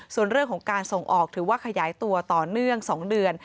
ส่วนเรื่องของการส่งออกถือว่าขยายตัวต่อเนื่อง๒เดือน